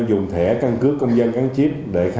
dùng thẻ cân cước công dân gắn chip